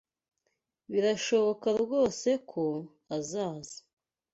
Birashoboka rwose ko azaza.